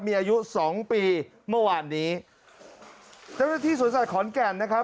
มีอายุสองปีเมื่อวานนี้เจ้าหน้าที่สวนสัตว์ขอนแก่นนะครับ